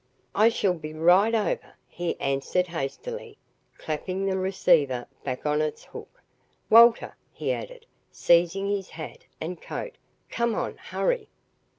"I shall be right over," he answered hastily, clapping the receiver back on its hook. "Walter," he added, seizing his hat and coat, "come on hurry!"